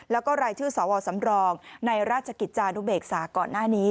แล้วก็รายชื่อสวสำรองในราชกิจจานุเบกษาก่อนหน้านี้